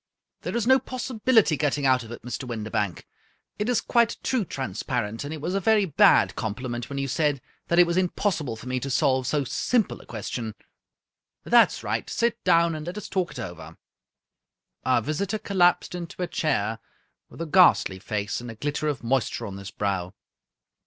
'* There is no possible getting out of it, Mr. Windibank. 57 Scotch Mystery Stories It is quite too transparent, and it was a very bad compli ment when you said that it was impossible for me to solve so simple a question. That's right! Sit down, and let us talk it over." Our visitor collapsed into a chair, with a ghastly face, and a glitter of moisture on his brow.